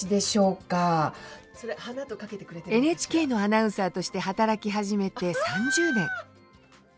ＮＨＫのアナウンサーとして働き始めて３０年。